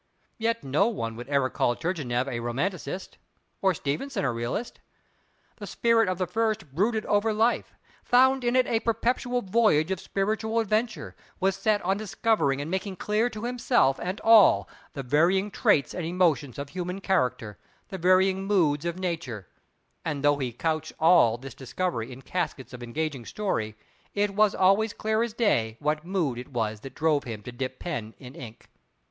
Yet no one would ever call Turgenev a romanticist, or Stevenson a realist. The spirit of the first brooded over life, found in it a perpetual voyage of spiritual adventure, was set on discovering and making clear to himself and all, the varying traits and emotions of human character—the varying moods of Nature; and though he couched all this discovery in caskets of engaging story, it was always clear as day what mood it was that drove him to dip pen in ink.